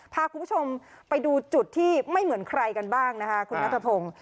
พาคุณผู้ชมไปดูจุดที่ไม่เหมือนใครกันบ้างนะคะคุณนัทพงศ์